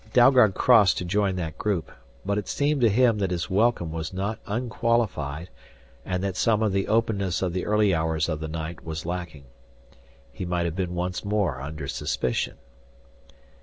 Dalgard crossed to join that group, but it seemed to him that his welcome was not unqualified, and that some of the openness of the early hours of the night was lacking. He might have been once more under suspicion.